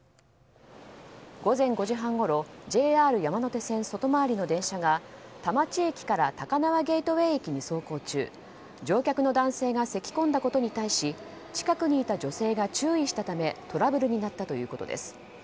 午前５時半ごろＪＲ山手線外回りの電車が田町駅から高輪ゲートウェイ駅に走行中乗客の男性がせき込んだことに対し近くにいた女性が注意したためトラブルになったということです。